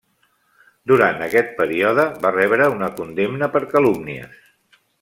Durant aquest període va rebre una condemna per calúmnies.